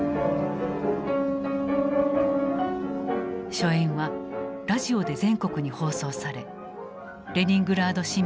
初演はラジオで全国に放送されレニングラード市民を勇気づけた。